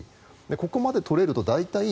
ここまで取れると大体、